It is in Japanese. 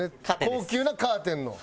高級なカーテンの。